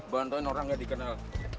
bantuin orang gak dikenal